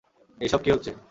এইসব কী হচ্ছে?